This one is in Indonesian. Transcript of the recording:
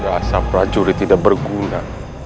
rasa prajuri tidak berguna